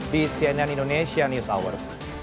di cnn indonesia news hour